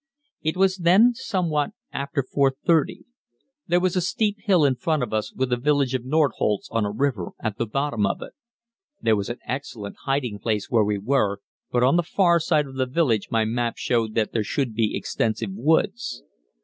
It was then somewhat after 4.30. There was a steep hill in front of us with the village of Nordholz on a river at the bottom of it. There was an excellent hiding place where we were, but on the far side of the village my map showed that there should be extensive woods.